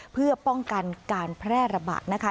เพื่อป้องกันการแพร่ระบาดนะคะ